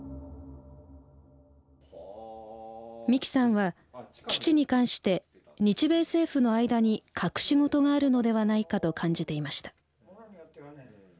三木さんは基地に関して日米政府の間に隠し事があるのではないかと感じていました。